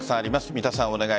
三田さん。